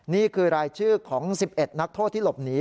นี่คือรายชื่อของ๑๑นักโทษที่หลบหนี